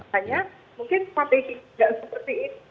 hanya mungkin pabrik tidak seperti ini